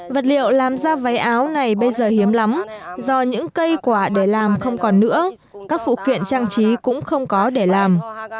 vật liệu làm ra váy áo này bây giờ hiếm lắm do những cây quả để làm không còn nữa các phụ kiện trang trí cũng không có để làm